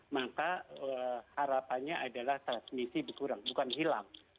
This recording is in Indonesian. maka harapannya adalah transisi dikurang bukan hilang